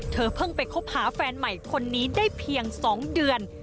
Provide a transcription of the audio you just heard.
เพิ่งไปคบหาแฟนใหม่คนนี้ได้เพียง๒เดือน